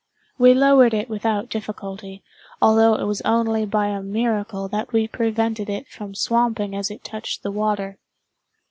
We lowered it without difficulty, although it was only by a miracle that we prevented it from swamping as it touched the water.